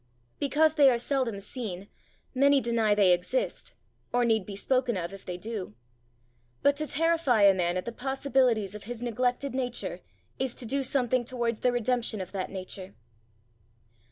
Because they are seldom seen, many deny they exist, or need be spoken of if they do. But to terrify a man at the possibilities of his neglected nature, is to do something towards the redemption of that nature.